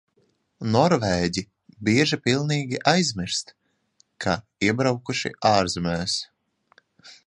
Norvēģi bieži pilnīgi aizmirst, ka iebraukuši ārzemēs.